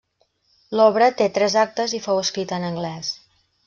L'obra té tres actes i fou escrita en anglès.